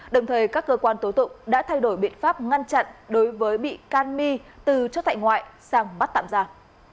đồng thời các cơ quan tố tụng đã thay đổi biện pháp ngăn chặn đối với bị can mi từ trốt tại ngoại sang bắt tạm giam